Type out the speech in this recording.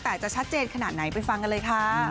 แต่จะชัดเจนขนาดไหนไปฟังกันเลยค่ะ